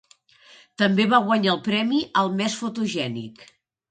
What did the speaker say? També va guanyar el premi al més fotogènic.